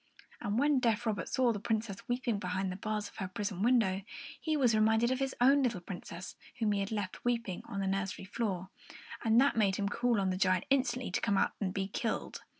And when deaf Robert saw the Princess weeping behind the bars of her prison window, he was reminded of his own little Princess whom he had left weeping on the nursery floor; and that made him call on the giant instantly to come out and be killed.